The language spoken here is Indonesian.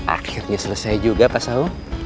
akhirnya selesai juga pak saung